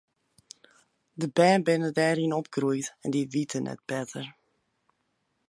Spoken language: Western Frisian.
De bern binne dêryn opgroeid en dy witte net better.